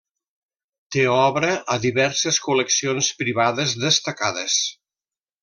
Té obra a diverses col·leccions privades destacades.